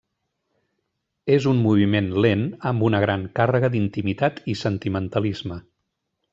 És un moviment lent amb una gran càrrega d'intimitat i sentimentalisme.